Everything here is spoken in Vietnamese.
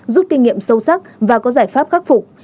rút kinh nghiệm sâu sắc và có giải pháp khắc phục